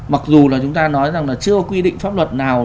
mặc dù là chúng ta nói rằng là chưa quy định pháp luật nào